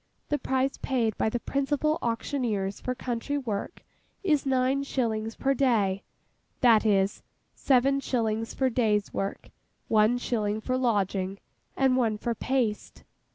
The price paid by the principal auctioneers for country work is nine shillings per day; that is, seven shillings for day's work, one shilling for lodging, and one for paste.